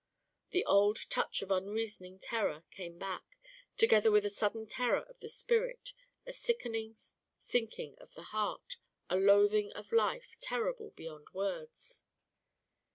The old touch of unreasoning terror came back, together with a sudden terror of the spirit, a sickening sinking of the heart, a loathing of life, terrible beyond words.